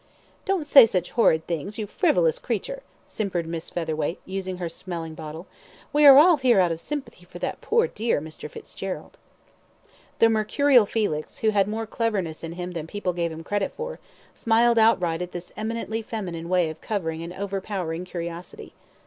"Don't say such horrid things, you frivolous creature," simpered Miss Featherweight, using her smelling bottle. "We are all here out of sympathy for that poor dear Mr. Fitzgerald." The mercurial Felix, who had more cleverness in him than people gave him credit for, smiled outright at this eminently feminine way of covering an overpowering curiosity.